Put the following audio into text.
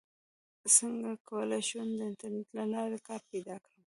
څنګه کولی شم د انټرنیټ له لارې کار پیدا کړم